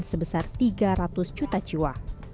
sebesar tiga ratus juta jiwa